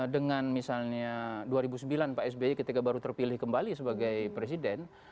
dengan misalnya dua ribu sembilan pak sby ketika baru terpilih kembali sebagai presiden